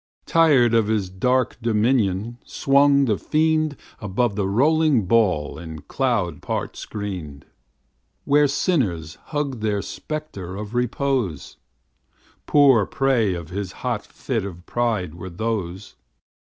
Tired of his dark dominion swung the fiend Above the rolling ball in cloud part screen'd, Where sinners hugg'd their spectre of repose. Poor prey to his hot fit of pride were those.